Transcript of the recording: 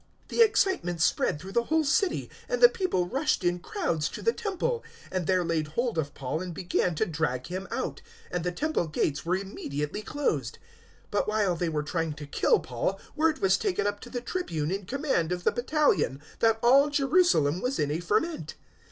021:030 The excitement spread through the whole city, and the people rushed in crowds to the Temple, and there laid hold of Paul and began to drag him out; and the Temple gates were immediately closed. 021:031 But while they were trying to kill Paul, word was taken up to the Tribune in command of the battalion, that all Jerusalem was in a ferment.